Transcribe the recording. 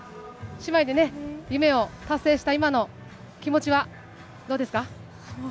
姉妹で夢を達成した今の気持ちはどうですか。